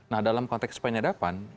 nah dalam konteks penyadapan